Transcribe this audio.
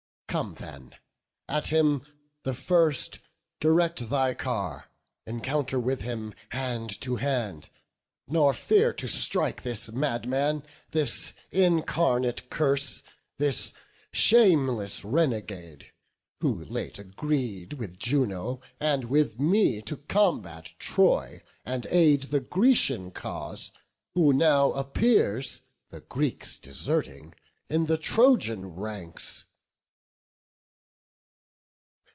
Come then; at him the first direct thy car; Encounter with him hand to hand; nor fear To strike this madman, this incarnate curse, This shameless renegade; who late agreed With Juno and with me to combat Troy, And aid the Grecian cause; who now appears, The Greeks deserting, in the Trojan ranks."